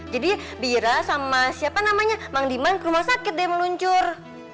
jadi bi ira sama siapa namanya mang diman ke rumah sakit deh meluncur